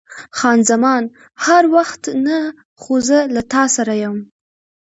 خان زمان: هر وخت نه، خو زه له تا سره یم.